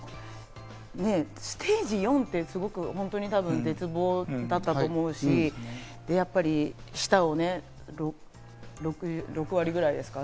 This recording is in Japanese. ステージ４って本当にすごく絶望だったと思うし、やっぱり舌を６割ぐらいですか？